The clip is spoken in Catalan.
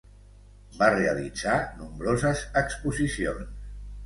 Va realitzar nombroses exposicions.